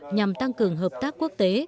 nhằm tăng cường hợp tác quốc tế